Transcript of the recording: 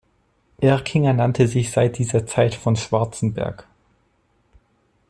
Erkinger nannte sich seit dieser Zeit "von Schwarzenberg".